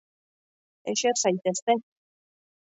Eser zaitezte.